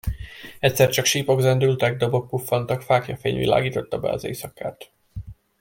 Egyszer csak sípok zendültek, dobok puffantak, fáklyafény világította be az éjszakát.